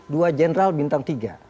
dua general bintang tiga